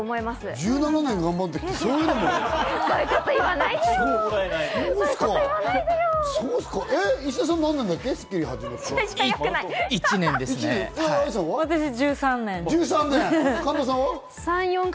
１７年頑張ってきて、そうですか？